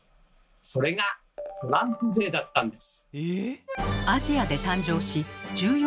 それが「トランプ税」だったんです。